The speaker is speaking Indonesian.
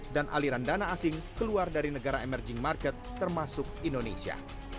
dan aliran dana asing keluar dari negara emerging market termasuk indonesia